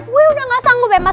gue udah ga sanggup emas emas